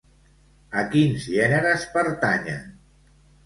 A quins gèneres pertanyen?